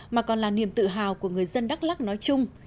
mà còn là niềm tự hào của người dân đắk lắc nói chung